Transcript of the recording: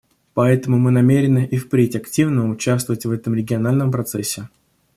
Поэтому мы намерены и впредь активно участвовать в этом региональном процессе.